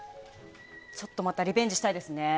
ちょっとまたリベンジしたいですね。